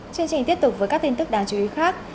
chương trình tiếp tục với các tin tức đáng chú ý khác